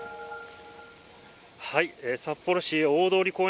札幌市大通公園